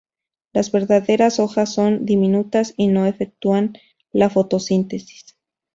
Las verdaderas hojas son diminutas y no efectúan la fotosíntesis.